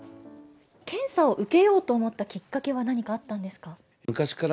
検査を受けようと思ったきっかけは、何かあったんですか。